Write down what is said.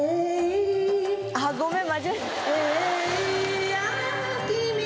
あっごめん。